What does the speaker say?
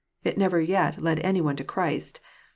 It never yet led any one to Christ.